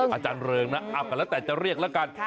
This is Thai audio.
อาจารย์เลิงนะแม้แต่ละแต่จะเรียกละกัน